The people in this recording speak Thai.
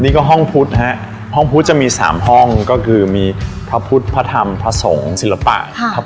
นี่ก็ห้องพุทธฮะห้องพุทธจะมี๓ห้องก็คือมีพระพุทธพระธรรมพระสงฆ์ศิลปะครับ